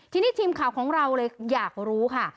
ทีนี้ทีมข่าวของเราเลยอยากรู้ค่ะ